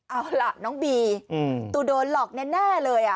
เอาล่ะน้องบีตูโดนหลอกแน่เลย